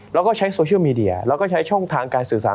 แล้วก็ใช้โซเชียลมีเดียแล้วก็ใช้ช่องทางการสื่อสาร